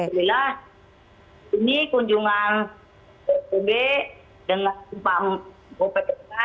sebenarnya ini kunjungan bnpb dengan bnpb dan juga